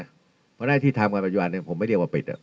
เพราะฉะนั้นที่ทำกันไปอยู่อันนี้ผมไม่เรียกว่าเป็ดอ่ะ